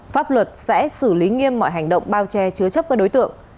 pháp luật sẽ xử lý nghiêm mọi hành động bao che chứa chấp các đối tượng